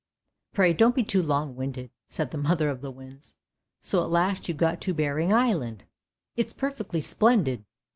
Pray don't be too long winded," said the mother of the winds. " So at last you got to Behring Island! "" It's perfectly splendid!